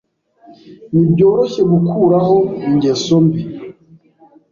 Ntibyoroshye gukuraho ingeso mbi.